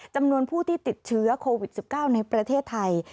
จำนวนผู้ที่ติดเชื้อโควิด๑๙ในประเทศไทย